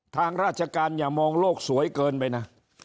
ทางราชการอย่ามองโลกสวยเกินไปนะ